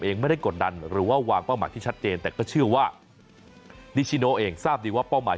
เองไม่ได้กดดันหรือว่าวางเป้าหมายที่ชัดเจนแต่ก็เชื่อว่านิชิโนเองทราบดีว่าเป้าหมาย